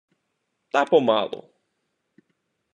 - Та помалу.